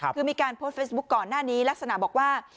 คือมีการโพสต์เฟซบุ๊คก่อนหน้านี้ลักษณะบอกว่า